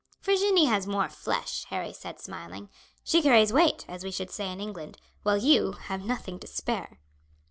"Virginie has more flesh," Harry said smiling. "She carries weight, as we should say in England, while you have nothing to spare.